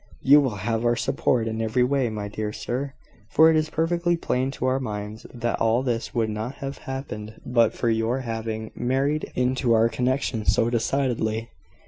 You will have our support in every way, my dear sir; for it is perfectly plain to our minds, that all this would not have happened but for your having married into our connection so decidedly.